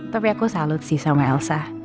tapi aku salut sih sama elsa